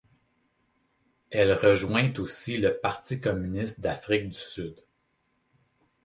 Elle rejoint aussi le Parti communiste d'Afrique du Sud.